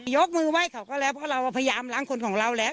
ยกมือไหว้เขาก็แล้วเพราะเราพยายามล้างคนของเราแล้ว